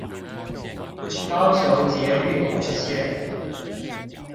高雄捷運紅線